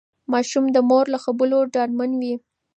ماشوم د مور له خبرو ډاډمن وي.